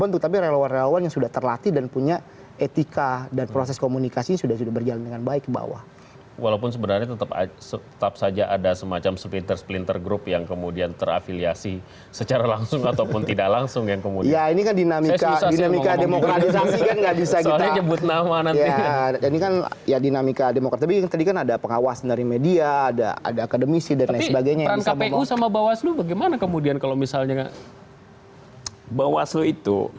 tapi peran kpu sama bawaslu bagaimana kemudian kalau misalnya bawaslu itu